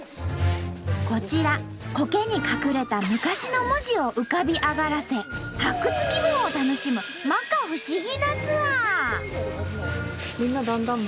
こちらコケに隠れた昔の文字を浮かび上がらせ発掘気分を楽しむ摩訶不思議なツアー！